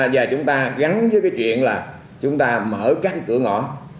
và chúng ta gắn với cái chuyện là chúng ta mở các cái cửa ngõ